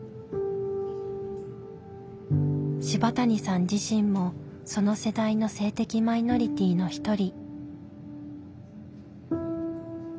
柴谷さん自身もその世代の性的マイノリティーの一人。